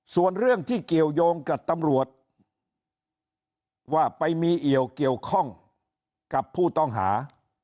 ส่วนเรื่องที่เกี่ยวยงกับตำรวจว่าไปมีเอี่ยวเกี่ยวข้องกับผู้ต้องหา